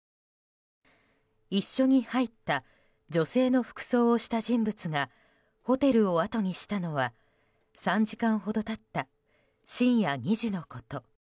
一緒に入った女性の服装をした人物がホテルをあとにしたのは３時間ほど経った深夜２時のこと。